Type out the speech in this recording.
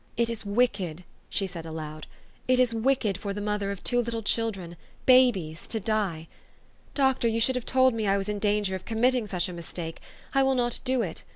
"It is wicked " she said aloud, " it is wicked for the mother of two little children babies to die. Doctor, 3^ou should have told me I was in danger of committing such a mistake. I will not do it.